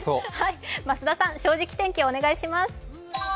増田さん、「正直天気」、お願いします。